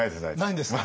ないんですか？